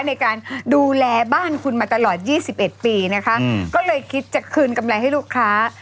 ในการดูแลบ้านคุณมาตลอด๒๑ปีนะคะก็เลยคิดจะคืนกำไรให้ลูกค้า